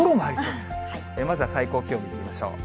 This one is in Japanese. まずは最高気温見てみましょう。